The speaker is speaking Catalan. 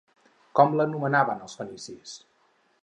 Com l'anomenaven els fenicis?